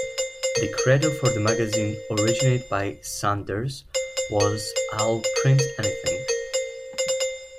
The credo for the magazine, originated by Sanders, was I'll print anything.